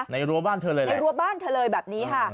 ในรัวบ้านเธอเลยแหละในรัวบ้านเธอเลยแบบนี้